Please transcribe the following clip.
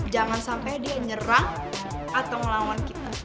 jangan sampai dia nyerang atau melawan kita